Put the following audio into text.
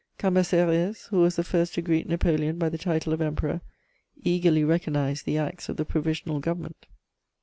Cambacérès, who was the first to greet Napoleon by the title of Emperor, eagerly recognised the acts of the Provisional Government.